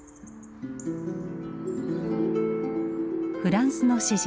フランスの詩人